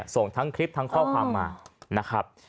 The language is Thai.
ส่งทั้งคลิปทั้งข้อความมานะครับ